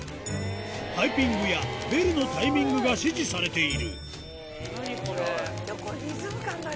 タイピングやベルのタイミングが指示されている。